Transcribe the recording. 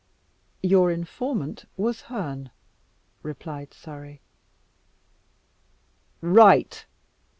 "Your informant was Herne," replied Surrey. "Right!"